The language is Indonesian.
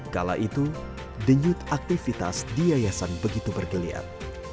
kala itu denyut aktivitas di yayasan begitu bergeliat